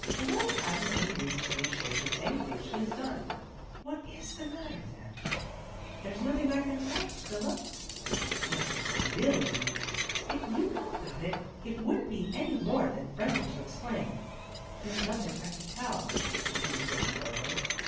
" Elaine hasn't any reason to be ashamed of anything she has done." " What is the matter, then ?"" There's nothing I can tell, Priscilla." " Nothing you will tell, you mean. If you 258 THE GIRLS OF FRIENDLY TERRACE know about it, it wouldn't be any more than friendly to explain." " There's nothing I can tell," repeated Peggy firmly.